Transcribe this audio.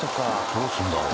どうするんだろう？